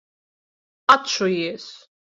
Atšujies!